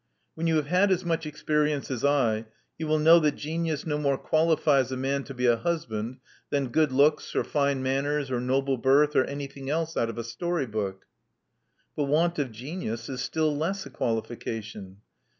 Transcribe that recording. When you have had as much experience as I, you will know that genius no more qualifies a man to be a husband than good looks, or fine manners, or noble birth, or anything else out of a story book." But want of genius is still less a qualification."